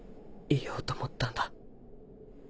言おうと思ったんだ。